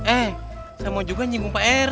eh saya mau juga nyinggung pak r